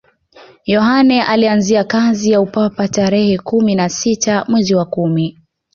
yohane alianzia kazi ya upapa tarehe kumi na sita mwezi wa kumi